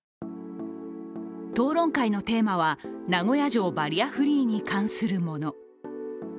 討論会のテーマは、名古屋城バリアフリーに関するもの。